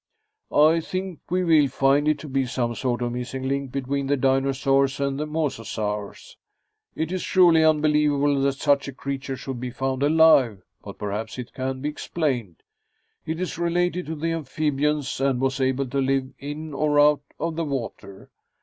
"I think we will find it to be some sort of missing link between the dinosaurs and mososaurs. It is surely unbelievable that such a creature should be found alive; but perhaps it can be explained. It is related to the amphibians and was able to live in or out of the water.